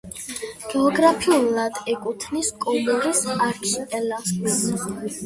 გეოგრაფიულად ეკუთვნის კომორის არქიპელაგს.